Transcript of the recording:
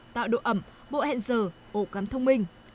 tạo độ ẩm bộ hẹn giờ ổ cắm thông minh